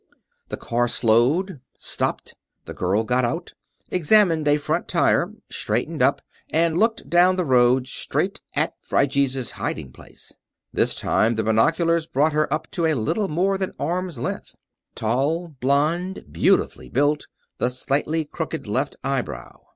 The car slowed; stopped. The girl got out, examined a front tire, straightened up, and looked down the road, straight at Phryges' hiding place. This time the binoculars brought her up to little more than arm's length. Tall, blonde, beautifully built; the slightly crooked left eyebrow.